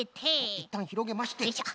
いったんひろげまして。